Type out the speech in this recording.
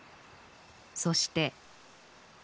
そして。